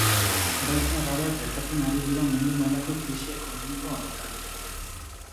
Gauza arraroak gertatzen ari dira mundu mailako krisi ekonomiko honetan.